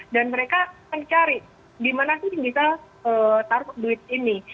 dan mereka mencari di mana sih bisa taruh duit ini